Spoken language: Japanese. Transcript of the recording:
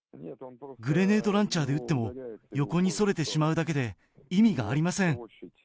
グレネードランチャーで撃っても、横にそれてしまうだけで、意味がありません